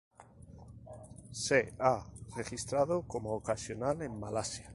Se ha registrado como ocasional en Malasia.